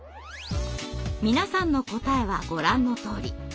皆さんの答えはご覧のとおり。